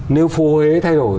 nếu phố huế thay đổi